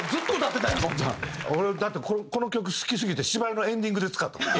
俺だってこの曲好きすぎて芝居のエンディングで使ったもん。